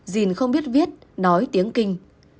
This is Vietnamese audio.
dìn không biết viết nói tiếng kinh